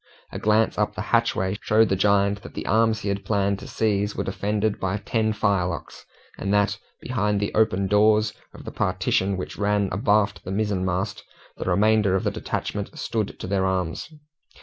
A glance up the hatchway showed the giant that the arms he had planned to seize were defended by ten firelocks, and that, behind the open doors of the partition which ran abaft the mizenmast, the remainder of the detachment stood to their arms.